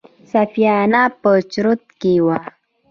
سفينه په چوتره کې وه.